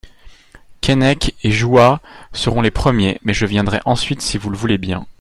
Keinec et Jahoua seront les premiers ; mais je viendrai ensuite si vous le voulez bien.